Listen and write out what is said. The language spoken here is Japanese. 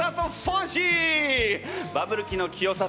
バブル期の清里